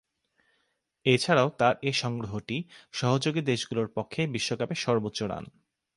এছাড়াও তার এ সংগ্রহটি সহযোগী দেশগুলোর পক্ষে বিশ্বকাপে সর্বোচ্চ রান।